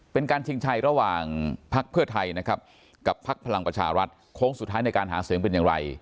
เป็นการชิงชัยระหว่างพักเพื่อไทยนะครับกับพักพลังประชารัฐโค้งสุดท้ายในการหาเสียงเป็นอย่างไร